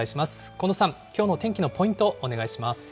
近藤さん、きょうの天気のポイント、お願いします。